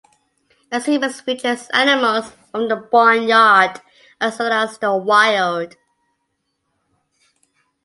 Exhibits feature animals from the barnyard as well as the wild.